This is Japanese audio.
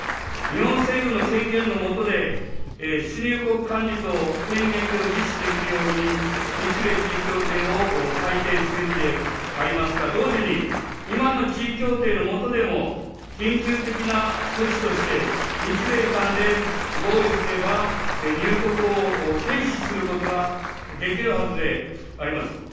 日本政府の権限の下で、出入国管理と検疫を実施できるように、日米地位協定を改定すべきでありますが、同時に、今の地位協定の下でも、緊急的な措置として、日米間で合意すれば、入国を停止することができるはずであります。